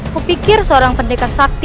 kupikir seorang pendekar sakti